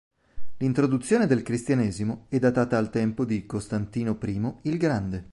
L'introduzione del cristianesimo è datata al tempo di Costantino I il Grande.